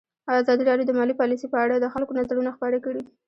ازادي راډیو د مالي پالیسي په اړه د خلکو نظرونه خپاره کړي.